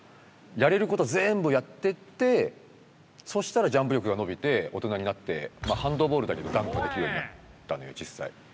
やれること全部やってってそしたらジャンプ力が伸びて大人になってハンドボールだけどダンクができるようになったのよ実際。